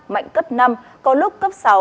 mạnh cấp năm có lúc cấp sáu